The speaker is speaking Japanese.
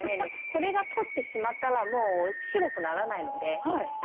これが取ってしまったら、もう、白くならないので。